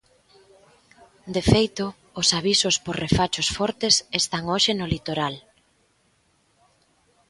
De feito, os avisos por refachos fortes están hoxe no litoral.